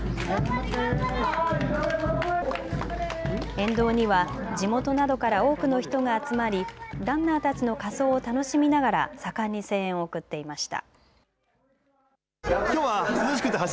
沿道には地元などから多くの人が集まりランナーたちの仮装を楽しみながら盛んに声援を送っていました。